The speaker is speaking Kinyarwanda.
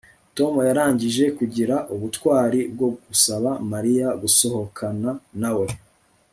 Tom yarangije kugira ubutwari bwo gusaba Mariya gusohokana nawe